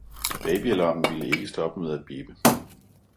Babyalarmen ville ikke stoppe med at bippe.